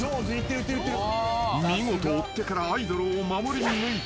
［見事追っ手からアイドルを守りぬいた］